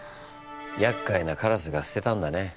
やっかいなカラスが捨てたんだね。